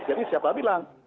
jadi siapa bilang